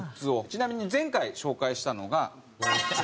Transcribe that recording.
ちなみに前回紹介したのが。